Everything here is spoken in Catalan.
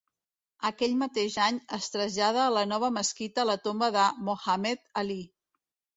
Aquell mateix any es trasllada a la nova mesquita la tomba de Mohammed Ali.